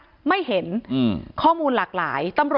ที่มีข่าวเรื่องน้องหายตัว